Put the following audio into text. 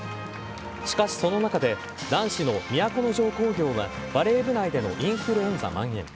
しかし、その中で男子の都城工業はバレー部内でのインフルエンザまん延。